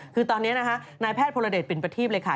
คือตอนนี้นะคะนายแพทย์พลเดชปิ่นประทีปเลยค่ะ